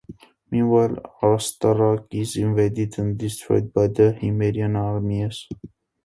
Meanwhile, Astarac is invaded and destroyed by the Himerian armies.